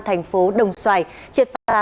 thành phố đồng xoài triệt phá